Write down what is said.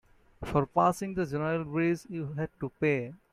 For passing the general bridge, you had to pay.